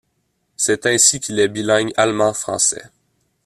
C'est ainsi qu'il est bilingue allemand-français.